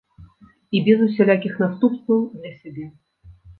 І без усялякіх наступстваў для сябе.